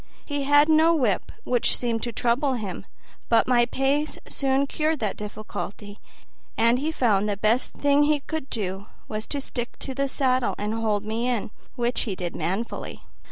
He had no whip, which seemed to trouble him; but my pace soon cured that difficulty, and he found the best thing he could do was to stick to the saddle and hold me in, which he did manfully.